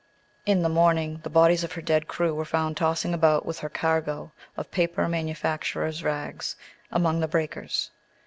In the morning the bodies of her dead crew were found tossing about with her cargo of paper manufacturers' rags, among the breakers.